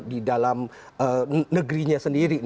di dalam negerinya sendiri